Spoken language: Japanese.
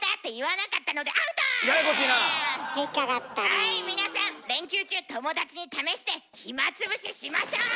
はい皆さん連休中友達に試して暇つぶししましょう。